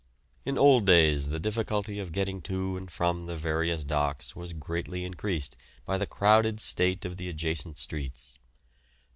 In old days the difficulty of getting to and from the various docks was greatly increased by the crowded state of the adjacent streets.